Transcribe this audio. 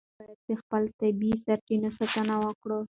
موږ باید د خپلو طبیعي سرچینو ساتنه وکړو.